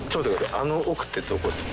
あの奥ってどこですか？